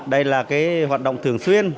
đây là cái hoạt động thường xuyên